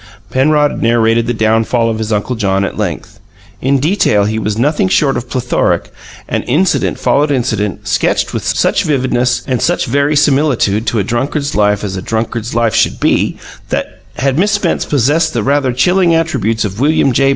Penrod narrated the downfall of his Uncle John at length. In detail he was nothing short of plethoric; and incident followed incident, sketched with such vividness, such abundance of colour, and such verisimilitude to a drunkard's life as a drunkard's life should be, that had Miss Spence possessed the rather chilling attributes of William J.